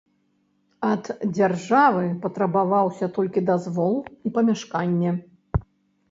Ад дзяржавы патрабаваўся толькі дазвол і памяшканне.